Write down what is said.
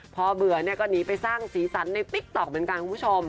พอเบื่อเนี่ยก็หนีไปสร้างสีสันในติ๊กต๊อกเหมือนกันคุณผู้ชม